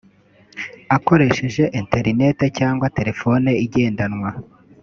akoresheje internet cyangwa telefone igendanwa